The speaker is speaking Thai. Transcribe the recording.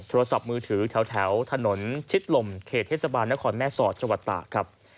โทรศัพท์มือถือแถวถนนชิดลมเขตเทศบาลนครแม่สอดจังหวัดตากครับ